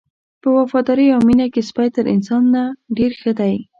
په وفادارۍ او مینه کې سپی تر انسان نه ډېر ښه دی.